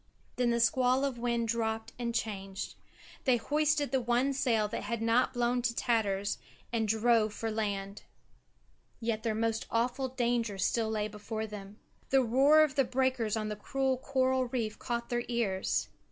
Then the squall of wind dropped and changed. They hoisted the one sail that had not blown to tatters, and drove for land. Yet their most awful danger still lay before them. The roar of the breakers on the cruel coral reef caught their ears.